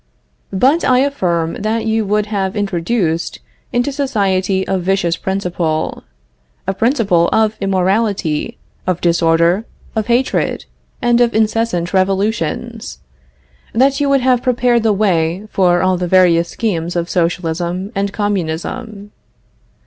But I affirm that you would have introduced into society a vicious principle, a principle of immorality, of disorder, of hatred, and of incessant revolutions; that you would have prepared the way for all the various schemes of socialism and communism.